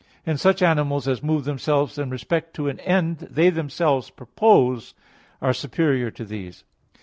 Hence such animals as move themselves in respect to an end they themselves propose are superior to these.